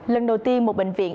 lần đầu tiên một bệnh viện